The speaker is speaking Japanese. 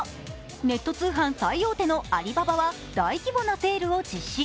ネット通販最大手のアリババは大規模なセールを実施。